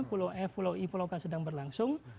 pulau f pulau i pulau k sedang berlangsung